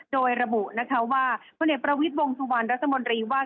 โดยระบุนะคะว่าผลิตประวิทย์วงสุวรรณรัศมนธรรมดิว่า